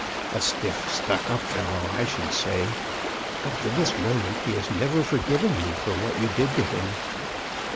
A stiff, stuck up fellow, I should say. Up to this mo ment he has never forgiven you for what you did to him."